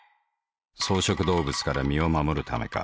草食動物から身を護るためか。